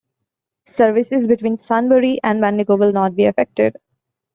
Services between Sunbury and Bendigo will not be affected.